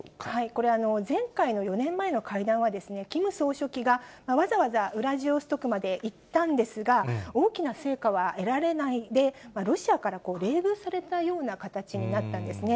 これ、前回の４年前の会談は、キム総書記がわざわざウラジオストクまで行ったんですが、大きな成果は得られないで、ロシアから冷遇されたような形になったんですね。